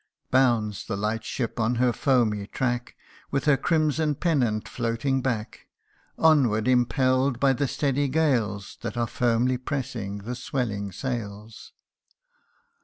Bounds the light ship on her foamy track, With her crimson pennant floating back : Onward impell'd by the steady gales, That are firmly pressing the swelling sails.